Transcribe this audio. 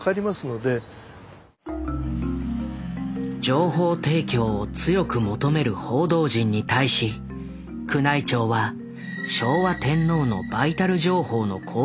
情報提供を強く求める報道陣に対し宮内庁は昭和天皇のバイタル情報の公表を決めた。